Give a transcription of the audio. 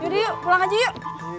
yuk pulang aja yuk